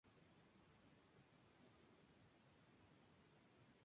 Ejerce el periodismo en diferentes medios escritos, radiofónicos y televisivos de Venezuela.